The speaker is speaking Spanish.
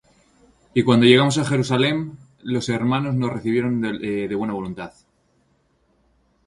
Y cuando llegamos á Jerusalem, los hermanos nos recibieron de buena voluntad.